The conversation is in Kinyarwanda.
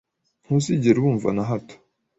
Ntuzigera ubumva nahato